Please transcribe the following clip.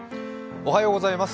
おはようございます。